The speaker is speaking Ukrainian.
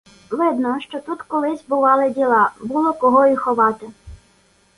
Видно, що тут колись "бували діла" — було кого і ховати.